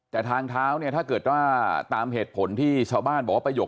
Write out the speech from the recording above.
แต่ทางเท้าเนี่ยถ้าเกิดว่าตามเหตุผลที่ชาวบ้านบอกว่าประโยค